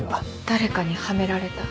誰かにはめられた。